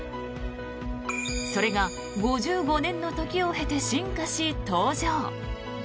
それが、５５年の時を経て進化し登場。